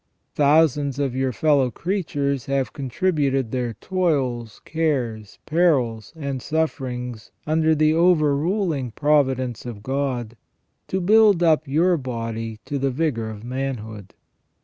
Thousands of your fellow creatures have contributed their toils, cares, perils, and sufferings under the overruling pro vidence of God, to build up your body to the vigour of manhood.